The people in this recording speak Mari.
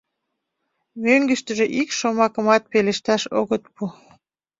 Мӧҥгыштыжӧ ик шомакымат пелешташ огыт пу.